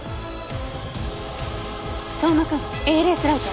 相馬くんＡＬＳライト。